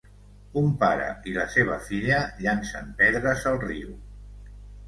Un pare i la seva filla llancen pedres al riu.